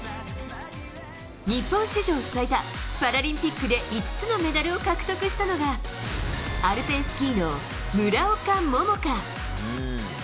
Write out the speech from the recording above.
日本史上最多パラリンピックで５つのメダルを獲得したのがアルペンスキーの村岡桃佳。